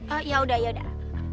ah yaudah yaudah